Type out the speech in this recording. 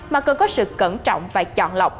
mà cần có sự cẩn trọng và chọn lọc